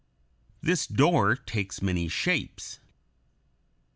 This door takes many shapes.